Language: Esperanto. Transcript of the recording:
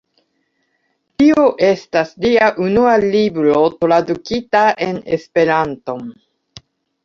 Tio estas lia unua libro tradukita en Esperanton.